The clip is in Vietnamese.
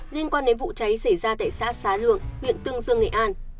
liên quan đến vụ cháy xảy ra tại xã xá lượng huyện tương dương nghệ an